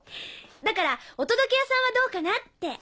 だからお届け屋さんはどうかなって。